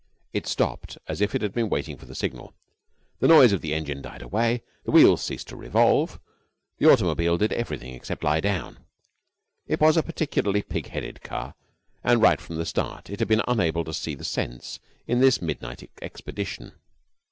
It stopped as if it had been waiting for the signal. The noise of the engine died away. The wheels ceased to revolve. The automobile did everything except lie down. It was a particularly pig headed car and right from the start it had been unable to see the sense in this midnight expedition.